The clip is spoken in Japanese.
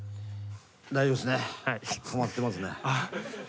大丈夫ですねはまってますね。